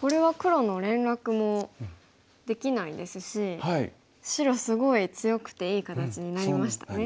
これは黒の連絡もできないですし白すごい強くていい形になりましたね。